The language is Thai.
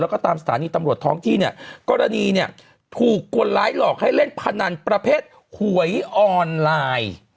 แล้วก็ตามสถานีตำรวจท้องที่เนี่ยกรณีเนี่ยถูกคนร้ายหลอกให้เล่นพนันประเภทหวยออนไลน์